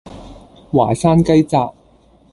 淮山雞扎